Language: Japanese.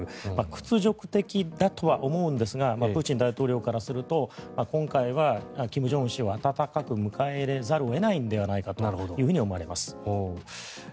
屈辱的だとは思うんですがプーチン大統領からすると今回は金正恩氏を温かく迎え入れざるを得ないんじゃないかと思われます。